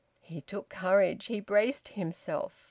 He took courage. He braced himself.